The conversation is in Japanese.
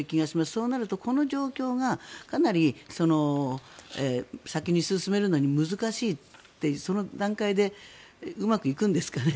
そうなるとこの状況がかなり先に進めるのに難しい、その段階でうまくいくんですかね。